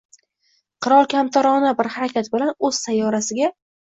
Qirol kamtarona bir harakat bilan o‘z sayyorasiga